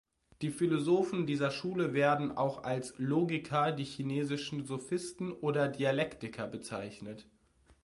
Die Philosophen dieser Schule werden auch als Logiker, die chinesischen Sophisten oder Dialektiker bezeichnet.